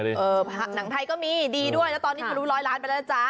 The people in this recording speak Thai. เออหนังไทยก็มีดีด้วยแล้วตอนนี้รู้ร้อยล้านไปแล้วจ้า